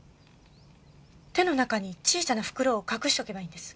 手の中に小さな袋を隠しておけばいいんです。